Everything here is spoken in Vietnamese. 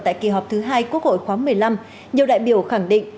tại kỳ họp thứ hai quốc hội khoáng một mươi năm nhiều đại biểu khẳng định